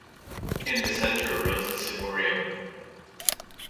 In the centre rose the ciborium.